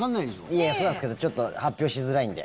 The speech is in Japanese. いや、そうなんですけどちょっと発表しづらいんで。